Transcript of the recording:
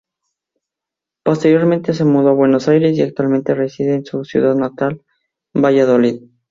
Posteriormente se mudó a Buenos Aires y actualmente reside en su ciudad natal, Valladolid.